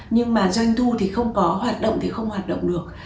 nhưng mà doanh thu thì không có hoạt động thì không hoạt động được